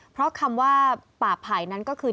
เพราะคำว่าป่าไผ่นั้นก็คือ